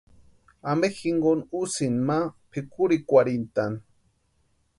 ¿Ampe jinkoni úsïni ma pʼikurhikwarhintani?